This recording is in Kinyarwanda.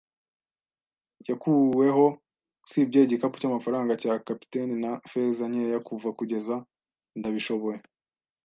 yakuweho usibye igikapu cyamafaranga ya capitaine na feza nkeya kuva kugeza, ndabishoboye